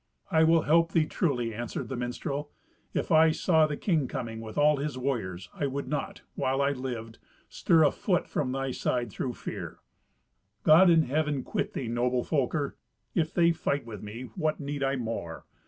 "I will help thee truly," answered the minstrel; "if I saw the king coming with all his warriors, I would not, while I lived, stir a foot from thy side through fear." "God in Heaven quit thee, noble Folker! If they fight with me, what need I more.